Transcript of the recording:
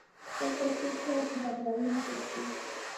دلته څوک چای بې بغلاوې نه څښي.